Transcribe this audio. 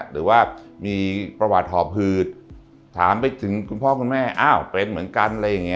หรือว่ามีประวัติหอบหืดถามไปถึงคุณพ่อคุณแม่อ้าวเป็นเหมือนกันอะไรอย่างนี้